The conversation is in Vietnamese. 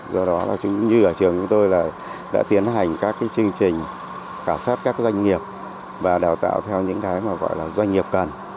do đó như ở trường chúng tôi là đã tiến hành các chương trình khảo sát các doanh nghiệp và đào tạo theo những cái mà gọi là doanh nghiệp cần